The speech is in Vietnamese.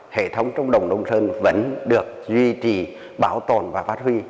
hệ thống trống đồng đông sơn vẫn được duy trì bảo tồn và phát huy